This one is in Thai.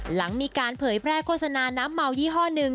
หลังมีการเผยแพร่โฆษณาน้ำเมายี่ห้อหนึ่ง